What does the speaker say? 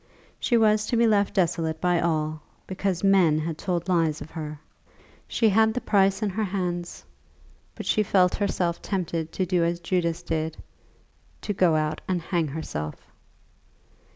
She was to be left desolate by all, because men had told lies of her! She had the price in her hands, but she felt herself tempted to do as Judas did, to go out and hang herself.